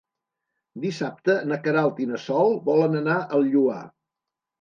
Dissabte na Queralt i na Sol volen anar al Lloar.